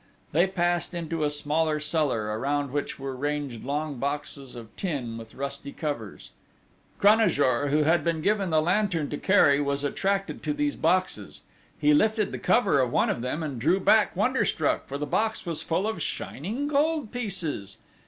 They passed into a smaller cellar, around which were ranged long boxes of tin with rusty covers. Cranajour, who had been given the lantern to carry, was attracted to these boxes: he lifted the cover of one of them and drew back wonderstruck, for the box was full of shining gold pieces!